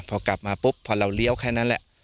พอกลับมาปุ๊บพอเราเลี้ยวแค่นั้นแหละ